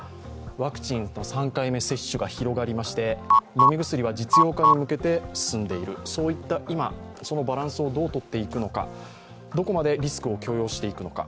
ワクチン３回目接種が広がりまして飲み薬は実用化に向けて進んでいる、今、そのバランスをどうとっていくのか、どこまでリスクを許容していくのか。